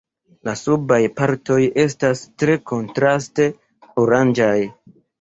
La subaj partoj estas tre kontraste oranĝaj.